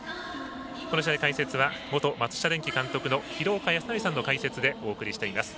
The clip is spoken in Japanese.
この試合、解説は元松下電器監督の廣岡資生さんの解説でお送りしております。